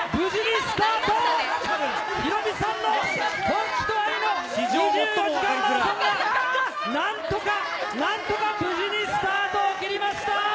ヒロミさんの２４時間マラソンが何とか何とか無事にスタートを切りました。